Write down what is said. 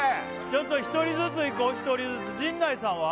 ちょっと１人ずついこう１人ずつ陣内さんは？